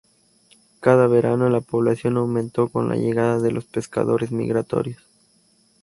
Cada verano la población aumentó con la llegada de los pescadores migratorios.